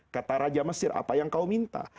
kata raja mesir apa yang kau minta